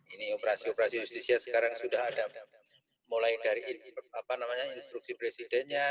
ini operasi operasi justisia sekarang sudah ada mulai dari instruksi presidennya